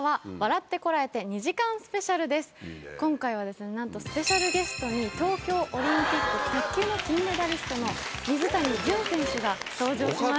今回はですねなんとスペシャルゲストに東京オリンピック卓球の金メダリストの水谷隼選手が登場します。